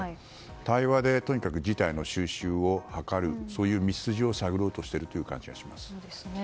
対話でとにかく事態の収拾を図るそういう道筋を探ろうとしているという感じがします。